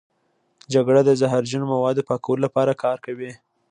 جگر د زهرجن موادو پاکولو لپاره کار کوي.